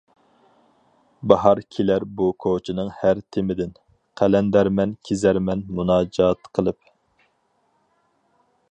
باھار كېلەر بۇ كوچىنىڭ ھەر تېمىدىن، قەلەندەرمەن، كېزەرمەن مۇناجات قىلىپ.